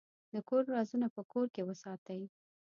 د کور رازونه په کور کې وساتئ.